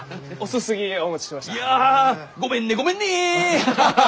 いやごめんねごめんね！